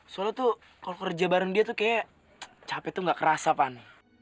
soalnya tuh kalau kerja bareng dia tuh kayaknya capek tuh gak kerasa pan